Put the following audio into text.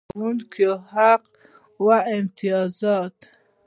د ملکي خدمتونو قراردادي کارکوونکي حقوق او امتیازات.